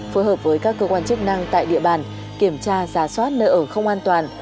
phối hợp với các cơ quan chức năng tại địa bàn kiểm tra giả soát nơi ở không an toàn